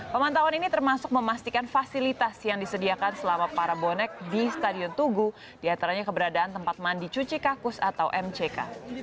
pemantauan ini termasuk memastikan fasilitas yang disediakan selama para bonek di stadion tugu diantaranya keberadaan tempat mandi cuci kakus atau mck